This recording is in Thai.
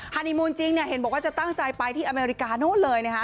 ฮีมูลจริงเนี่ยเห็นบอกว่าจะตั้งใจไปที่อเมริกานู้นเลยนะคะ